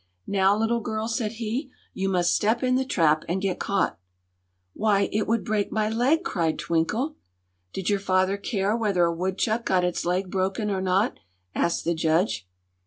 "Now, little girl," said he, "you must step in the trap and get caught." "Why, it would break my leg!" cried Twinkle. "Did your father care whether a woodchuck got its leg broken or not?" asked the judge.